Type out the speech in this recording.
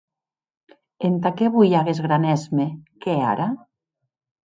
Entà qué voi aguest gran èsme qu’è ara?